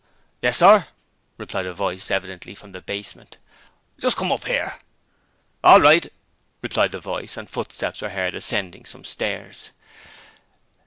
'Yes, sir,' replied a voice, evidently from the basement. 'Just come up 'ere.' 'All right,' replied the voice, and footsteps were heard ascending some stairs.